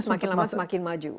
semakin lama semakin maju